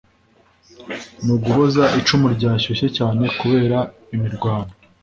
ni uguhoza icumu ryashyushye cyane kubera imirwano